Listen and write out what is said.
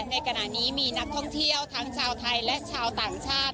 ในขณะนี้มีนักท่องเที่ยวทั้งชาวไทยและชาวต่างชาติ